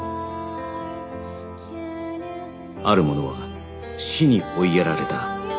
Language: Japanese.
ある者は死に追いやられた